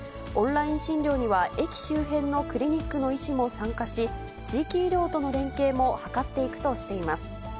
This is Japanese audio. オンライン診療には、駅周辺のクリニックの医師も参加し、地域医療との連携も図っていくとしています。